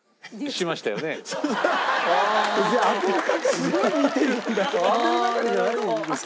すごい見てるんだよ。